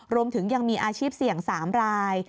รวมถึงยังมีอาชีพเสี่ยง๓ราย